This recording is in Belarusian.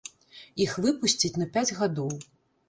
Іх выпусцяць на пяць гадоў.